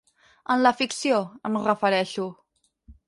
En la ficció, em refereixo.